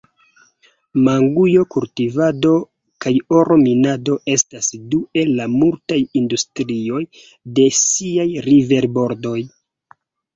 Mangujo-kultivado kaj oro-minado estas du el la multaj industrioj de siaj riverbordoj.